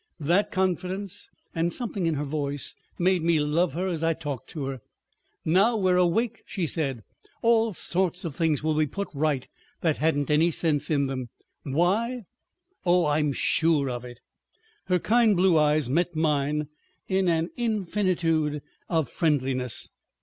That confidence, and something in her voice, made me love her as I talked to her. "Now we're awake," she said, "all sorts of things will be put right that hadn't any sense in them. Why? Oh! I'm sure of it." Her kind blue eyes met mine in an infinitude of friendliness.